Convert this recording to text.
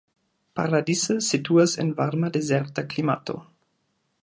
Paradise situas en varma dezerta klimato.